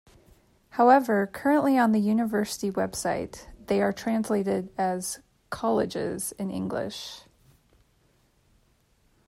However, currently on the University website, they are translated as "colleges" in English.